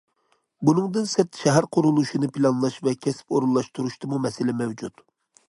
بۇنىڭدىن سىرت، شەھەر قۇرۇلۇشىنى پىلانلاش ۋە كەسىپ ئورۇنلاشتۇرۇشتىمۇ مەسىلە مەۋجۇت.